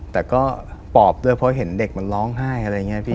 แต่ก็ปอบด้วยเพราะเห็นเด็กมันร้องไห้อะไรอย่างนี้พี่